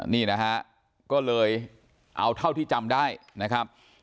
นี่นะฮะก็เลยเอาเท่าที่จำได้นะครับ